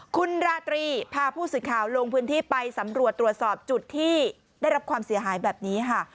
คุณราตรีพาผู้สื่อข่าวลงพื้นที่ไปสำรวจตรวจสอบจุดที่ได้รับความเสียหายแบบนี้ค่ะ